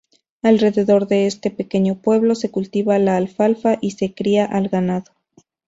Alrededor de este pequeño pueblo, se cultiva la alfalfa y se cría al ganado.